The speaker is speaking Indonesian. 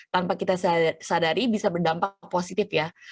tanpa kita sadari bisa berdampak positif ya